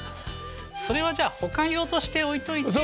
それはじゃあ保管用として置いといて。